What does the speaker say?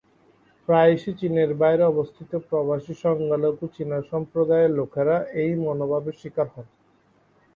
প্রায়শই চীনের বাইরে অবস্থিত প্রবাসী সংখ্যালঘু চীনা সম্প্রদায়ের লোকেরা এই মনোভাবের শিকার হন।